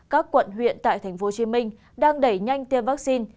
các quận huyện tại tp hcm đang đẩy nhanh tiêm vaccine